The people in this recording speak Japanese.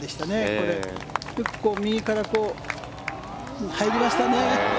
これ、よく右から入りましたね。